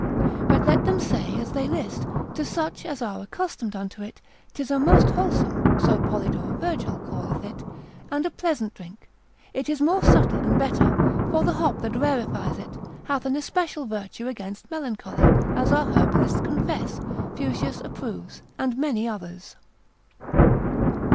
But let them say as they list, to such as are accustomed unto it, 'tis a most wholesome (so Polydore Virgil calleth it) and a pleasant drink, it is more subtle and better, for the hop that rarefies it, hath an especial virtue against melancholy, as our herbalists confess, Fuchsius approves, Lib. 2. sec. 2. instit. cap. 11, and many others.